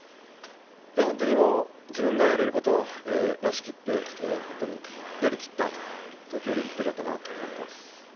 本当に自分がやれることは出し切って、やりきった東京オリンピックだったなと思っています。